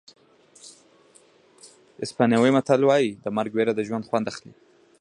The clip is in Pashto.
اسپانوي متل وایي د مرګ وېره د ژوند خوند اخلي.